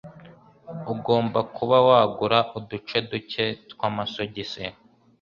Ugomba kuba wagura uduce duke twamasogisi.